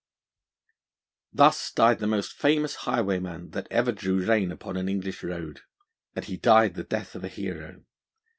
Thus died the most famous highwayman that ever drew rein upon an English road; and he died the death of a hero.